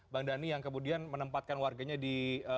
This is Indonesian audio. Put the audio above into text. bandani yang kemudian menempatkan warganya di